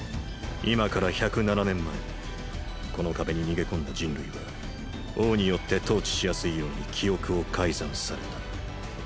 今から１０７年前この壁に逃げ込んだ人類は王によって統治しやすいように記憶を改竄された。